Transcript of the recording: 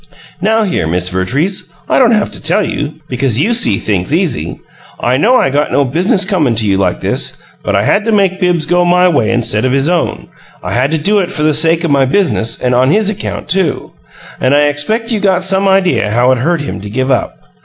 "Now here, Miss Vertrees, I don't have to tell you because you see things easy I know I got no business comin' to you like this, but I had to make Bibbs go my way instead of his own I had to do it for the sake o' my business and on his own account, too and I expect you got some idea how it hurt him to give up.